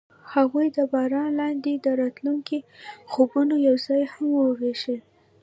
هغوی د باران لاندې د راتلونکي خوبونه یوځای هم وویشل.